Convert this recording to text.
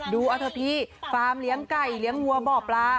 ดูเอาเถอะพี่ฟาร์มเลี้ยงไก่เลี้ยงวัวบ่อปลา